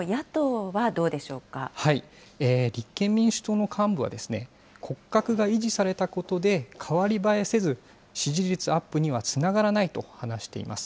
立憲民主党の幹部は、骨格が維持されたことで代わり映えせず、支持率アップにはつながらないと話しています。